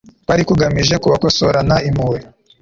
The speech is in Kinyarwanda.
kwari kugamije kubakosorana impuhwe